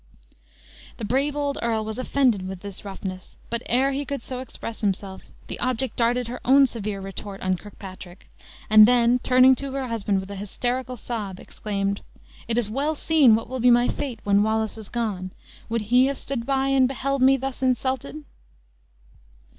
The brave old earl was offended with this roughness, but ere he could so express himself, the object darted her own severe retort on Kirkpatrick, and then, turning to her husband, with an hysterical sob, exclaimed, "It is well seen what will be my fate when Wallace is gone! Would he have stood by and beheld me thus insulted?"